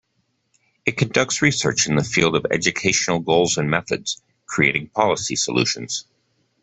It conducts research in the field of educational goals and methods, creating policy solutions.